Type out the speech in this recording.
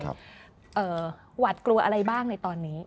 หวัดกลัวอะไรบ้างในตอนนี้